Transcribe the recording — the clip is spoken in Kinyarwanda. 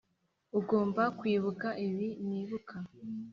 ugomba kwibuka ibi nibuka